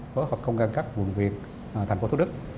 phối hợp công an các quận việt thành phố thu đức